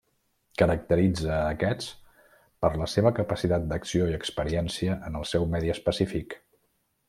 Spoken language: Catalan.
Caracteritza a aquests per la seva capacitat d'acció i experiència en el seu medi específic.